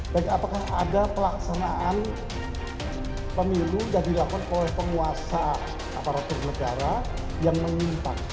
dan apakah ada pelaksanaan pemilu yang dilakukan oleh penguasa aparatur negara yang mengint visitar